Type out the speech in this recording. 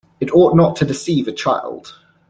It ought not to deceive a child.